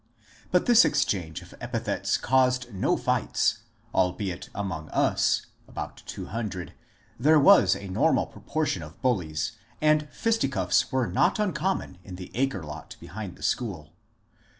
But this exchange of epithets caused no fights, albeit among us (about 200) there was a normal proportion of bullies, and fisticuffs were not uncommon in the acre lot behind the school.